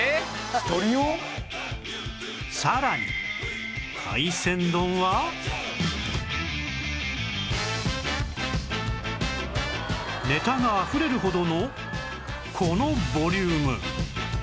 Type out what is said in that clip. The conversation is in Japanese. さらにネタがあふれるほどのこのボリューム！